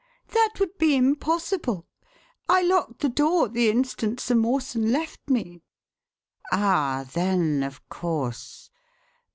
"That would be impossible. I locked the door the instant Sir Mawson left me." "Ah, then, of course!